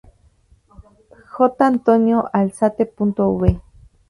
J. Antonio Alzate y Av.